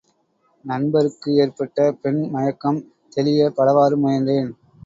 நண்பருக்கு ஏற்பட்ட பெண் மயக்கம் தெளியப் பலவாறு முயன்றேன்.